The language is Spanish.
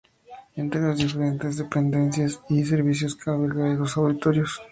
Entre las diferentes dependencias y servicios que alberga hay dos auditorios.